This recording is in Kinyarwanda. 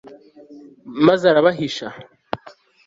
maze arabahisha